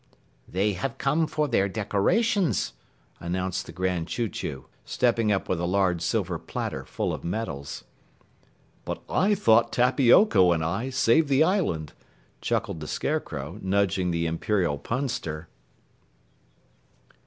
"They have come for their decorations," announced the Grand Chew Chew, stepping up with a large silver platter full of medals. "But I thought Tappy Oko and I saved the Island," chuckled the Scarecrow, nudging the Imperial Punster.